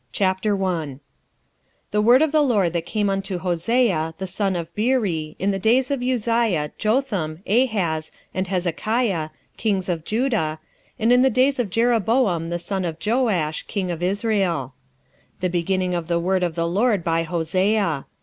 Hosea 1:1 The word of the LORD that came unto Hosea, the son of Beeri, in the days of Uzziah, Jotham, Ahaz, and Hezekiah, kings of Judah, and in the days of Jeroboam the son of Joash, king of Israel. 1:2 The beginning of the word of the LORD by Hosea.